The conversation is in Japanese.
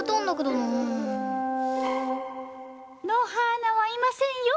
はーなはいませんよ。